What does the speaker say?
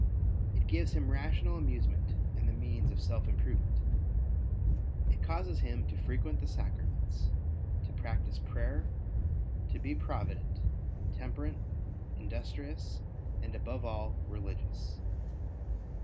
It gives him rational amusement and the means of self improvement. It causes him to frequent the sacraments, to practise prayer, to be provident^ temperate, industrious, and, above all, religious.